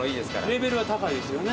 レベルが高いですよね。